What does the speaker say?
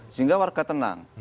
sehingga warga tenang